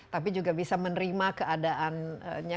tapi juga bisa menerima keadaannya